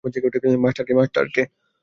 Master - কে?